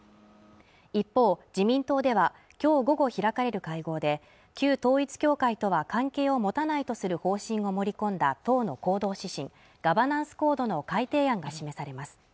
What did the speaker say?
一方自民党では今日午後開かれる会合で旧統一教会とは関係を持たないとする方針を盛り込んだ党の行動指針ガバナンスコードの改定案が示されます